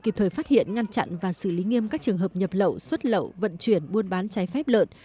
kịp thời phát hiện ngăn chặn và xử lý nghiêm các trường hợp nhập lậu xuất lậu vận chuyển buôn bán trái phép lợn